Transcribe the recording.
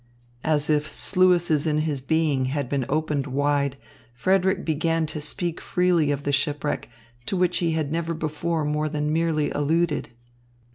As if sluices in his being had been opened wide, Frederick began to speak freely of the shipwreck, to which he had never before more than merely alluded.